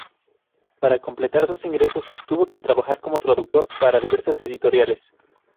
Para completar sus ingresos, tuvo que trabajar como traductor para diversas editoriales.